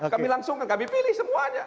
kami langsung kan kami pilih semuanya